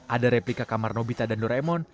ada replika kamar nobita dan doraemon